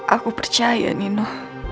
aku percaya nino